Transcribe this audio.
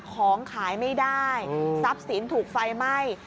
ของขายไม่ได้ทรัพย์สินถูกไฟไหม้